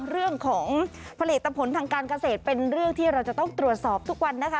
เรื่องของผลิตผลทางการเกษตรเป็นเรื่องที่เราจะต้องตรวจสอบทุกวันนะคะ